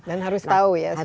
dan harus tahu ya